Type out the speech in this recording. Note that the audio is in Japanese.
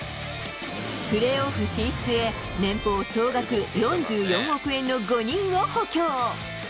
プレーオフ進出へ、年俸総額４４億円の５人を補強。